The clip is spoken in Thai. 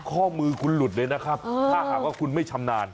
ข้อมือคุณหลุดเลยนะครับถ้าหากว่าคุณไม่ชำนาญ